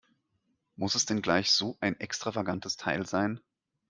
Muss es denn gleich so ein extravagantes Teil sein?